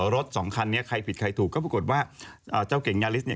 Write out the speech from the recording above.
รถสองคันนี้ใครผิดใครถูกก็ปรากฏว่าเจ้าเก่งยาลิสเนี่ย